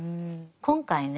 今回ね